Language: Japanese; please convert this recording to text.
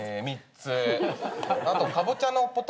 ３つ。